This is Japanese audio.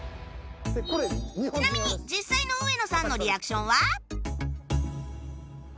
ちなみに実際の植野さんのリアクションは